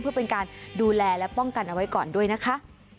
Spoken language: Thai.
เพื่อเป็นการดูแลและป้องกันเอาไว้ก่อนด้วยนะคะ